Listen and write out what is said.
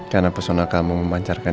karena pesona kamu memancarkan